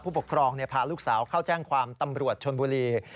ผู้ปกครองพาลูกสาวเข้าแจ้งความตำรวจชนบุรี